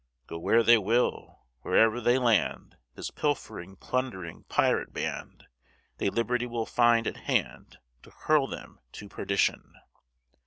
Go where they will, where'er they land, This pilfering, plundering, pirate band, They liberty will find at hand To hurl them to perdition!